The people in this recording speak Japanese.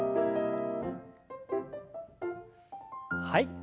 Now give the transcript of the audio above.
はい。